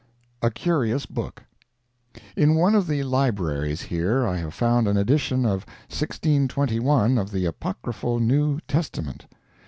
A CURIOUS BOOK In one of the libraries here I have found an edition of 1621 of the Apochryphal New Testament.